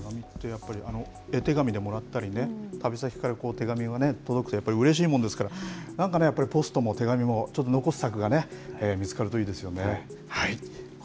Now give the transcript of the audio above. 手紙ってやっぱり、絵手紙でもらったりね、旅先から手紙が届くとやっぱりうれしいもんですから、なんかね、やっぱりポストも手紙も、ちょっと残す策が見つかるといいですよね。